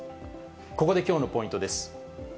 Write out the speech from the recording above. ここできょうのポイントです。